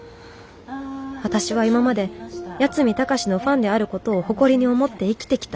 私は今まで八海崇のファンであることを誇りに思って生きてきた。